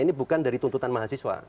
ini bukan dari tuntutan mahasiswa